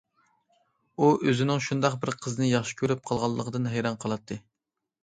ئۇ ئۆزىنىڭ شۇنداق بىر قىزنى ياخشى كۆرۈپ قالغانلىقىدىن ھەيران قالاتتى.